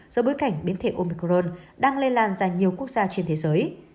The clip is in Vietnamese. do bối cảnh biến thể omicron đang lây lan ra nhiều quốc gia trên thế giới